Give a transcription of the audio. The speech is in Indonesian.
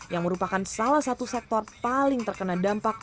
yang merupakan salah satu sektor paling terkena dampak